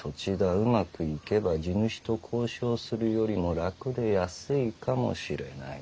うまくいけば地主と交渉するよりも楽で安いかもしれない」。